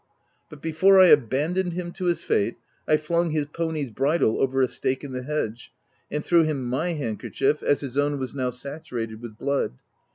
But before I abandoned him to his fate, I flung his pony's bridle over a stake in the hedge, and threw him my handkerchief, as his own was now saturated with blood.